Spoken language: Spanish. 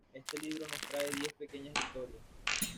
Este libro nos trae diez pequeñas historias.